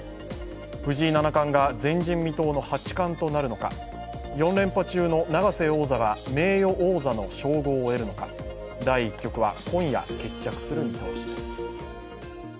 藤井七冠が前人未到の八冠となるのか、４連覇中の永瀬王座が名誉王座の称号を得るのか、第１局は今夜決着する見通しです。